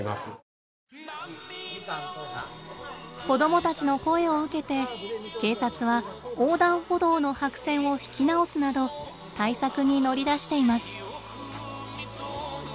子どもたちの声を受けて警察は横断歩道の白線を引き直すなど対策に乗り出しています。